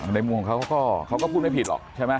ในมุมเขาก็พูดไม่ผิดหรอกใช่ไหม